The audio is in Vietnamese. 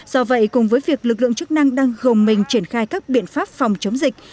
do vậy cùng với việc lực lượng chức năng đang gồng mình triển khai các biện pháp phòng chống dịch